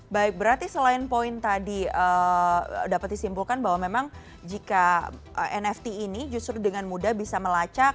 baik berarti selain poin tadi dapat disimpulkan bahwa memang jika nft ini justru dengan mudah bisa melacak